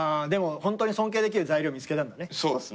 でもホントに尊敬できる材料を見つけたんだね。